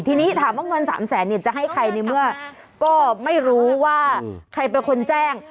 ทีนี้ถามว่าเงิน๓แสนเนี่ยจะให้ใครในเมื่อก็ไม่รู้ว่าใครเป็นคนแจ้ง